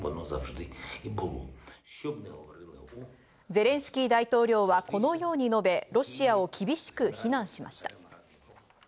ゼレンスキー大統領はこのように述べ、ロシアを厳しく非難しました。